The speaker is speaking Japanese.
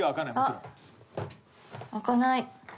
開かない。